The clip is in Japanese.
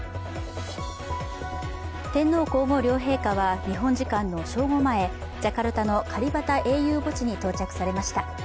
天皇皇后両陛下は日本時間の正午前、ジャカルタのカリバタ英雄基地に到着されました。